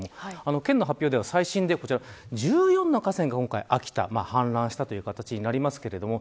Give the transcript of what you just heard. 県の発表では最新で１４の河川が今回秋田で氾濫したという形になります。